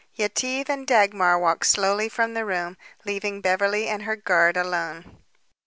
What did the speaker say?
Yetive and Dagmar walked slowly from the room, leaving Beverly and her guard alone.